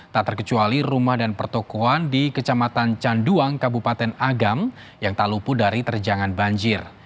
tak terkecuali rumah dan pertokohan di kecamatan canduang kabupaten agam yang tak lupu dari terjangan banjir